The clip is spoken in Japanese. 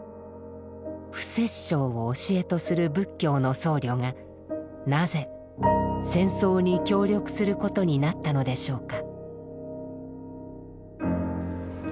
不殺生を教えとする仏教の僧侶がなぜ戦争に協力することになったのでしょうか。